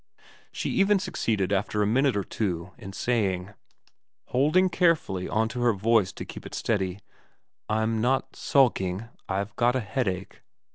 She even succeeded after a minute or two in saying, holding carefully on to her voice to keep it steady, ' I'm not sulking. I've got a headache.'